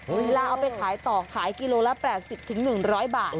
เวลาเอาไปขายต่อขายกิโลละ๘๐๑๐๐บาท